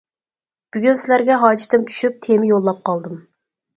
بۈگۈن سىلەرگە ھاجىتىم چۈشۈپ تېما يوللاپ قالدىم.